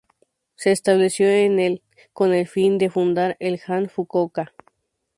Se estableció en el con el fin de fundar el han Fukuoka.